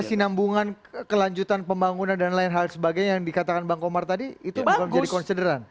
kesinambungan kelanjutan pembangunan dan lain hal sebagainya yang dikatakan bang komar tadi itu bukan menjadi konsideran